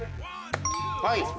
はい。